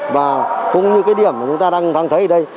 và cũng như cái điểm mà chúng ta đang thấy ở đây